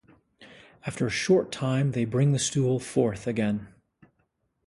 After a short time they bring the stool forth again.